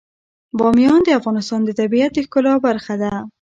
بامیان د افغانستان د طبیعت د ښکلا برخه ده.